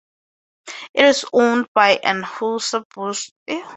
It is owned by Anheuser-Busch InBev.